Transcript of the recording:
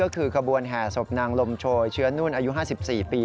ก็คือขบวนแห่ศพนางลมโชยเชื้อนุ่นอายุ๕๔ปี